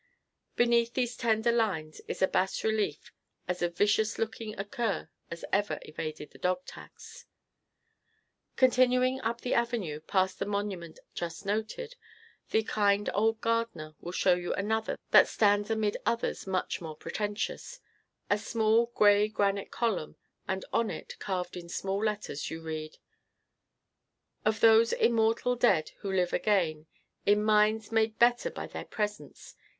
Beneath these tender lines is a bas relief of as vicious looking a cur as ever evaded the dog tax. Continuing up the avenue, past this monument just noted, the kind old gardener will show you another that stands amid others much more pretentious a small gray granite column, and on it, carved in small letters, you read: "Of those immortal dead who live again In minds made better by their presence."